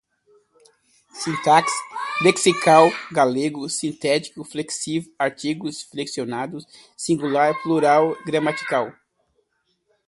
sintaxe, lexical, galego, sintético, flexivo, artigos, flexionados, singular, plural, gramatical